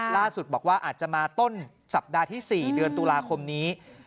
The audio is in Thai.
ล่าสุดบอกว่าอาจจะมาต้นสัปดาห์ที่๔เดือนตุลาคมนี้